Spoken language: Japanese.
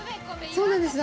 そうなんです。